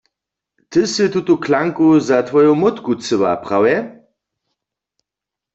Ty sy tutu klanku za twoju mótku chcyła, prawje?